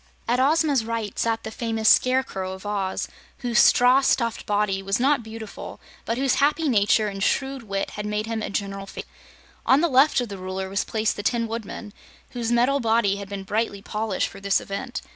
At Ozma's right sat the famous Scarecrow of Oz, whose straw stuffed body was not beautiful, but whose happy nature and shrewd wit had made him a general favorite. On the left of the Ruler was placed the Tin Woodman, whose metal body had been brightly polished for this event.